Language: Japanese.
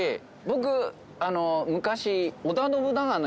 僕昔。